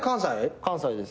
関西です。